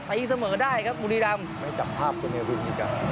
ตะอีกเสมอได้ครับบูรีดำไม่จับภาพกุณฤบิลกัน